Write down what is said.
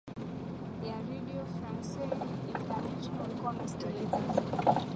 ya redio france international ulikuwa unasikiliza